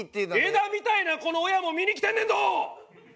枝みたいな子の親も見に来てんねんど！